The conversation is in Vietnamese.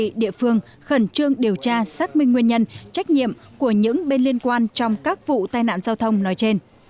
các địa phương khẩn trương điều tra xác minh nguyên nhân trách nhiệm của những bên liên quan trong các vụ tai nạn giao thông nói trên